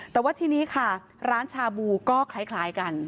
แต่ว่าทีนี้ค่ะร้านชาบูก็คล้ายกัน